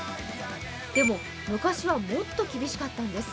でも、昔はもっと厳しかったんです。